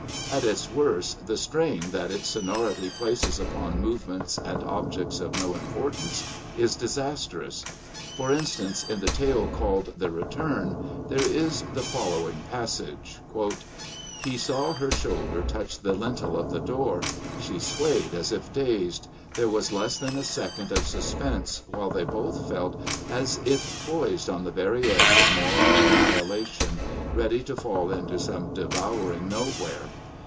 At its worst, the strain that its sonority places upon movements and objects of no importance is disastrous. For instance, in the tale called The Return, there is the following passage: "He saw her shoulder touch the lintel of the door. She swayed as if dazed. There was less than a second of suspense while they both felt as if poised on the very edge of moral annihilation, ready to fall into some devouring nowhere.